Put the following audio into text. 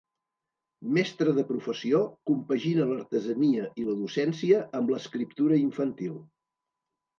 Mestre de professió, compagina l'artesania i la docència amb l'escriptura infantil.